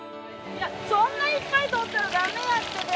そんないっぱいとったらダメだってベンさん！